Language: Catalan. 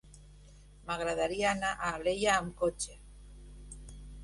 M'agradaria anar a Alella amb cotxe.